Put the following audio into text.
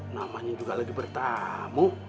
namanya juga lagi bertamu